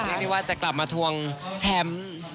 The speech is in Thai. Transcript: ไม่นึกว่าจะกลับมาทวงแชมป์